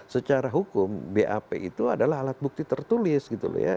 secara hukum bap itu adalah alat bukti tertulis gitu loh ya